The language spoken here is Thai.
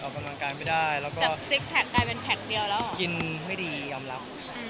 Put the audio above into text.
ออกกำลังกายไม่ได้แล้วก็แต่กลายเป็นแผลกเดียวแล้วกินไม่ดีอำลับ